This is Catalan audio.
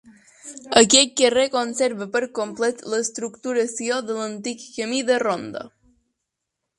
Aquest carrer conserva per complet l'estructuració de l'antic camí de ronda.